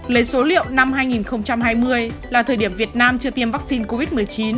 lấy số liệu năm hai nghìn hai mươi là thời điểm việt nam chưa tiêm vaccine covid một mươi chín